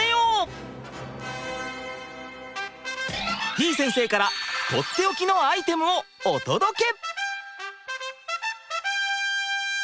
ぃ先生からとっておきのアイテムをお届け！